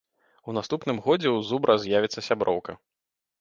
У наступным годзе ў зубра з'явіцца сяброўка.